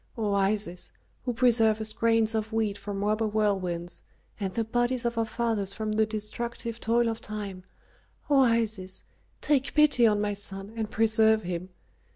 O Isis, who preservest grains of wheat from robber whirlwinds, and the bodies of our fathers from the destructive toil of time, O Isis, take pity on my son and preserve him!